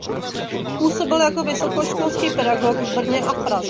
Působil jako vysokoškolský pedagog v Brně a v Praze.